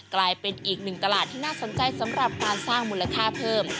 กลายเป็นอีกหนึ่งตลาดที่น่าสนใจสำหรับการสร้างมูลค่าเพิ่ม